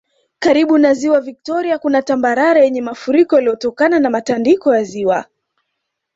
Karibu na Ziwa Viktoria kuna tambarare yenye mafuriko yaliyotokana na matandiko ya ziwa